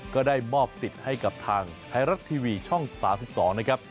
ก็ได้มอบสิทธิ์ให้กับทางไทยรัฐทีวีช่องศาสตร์สิบสองนะครับ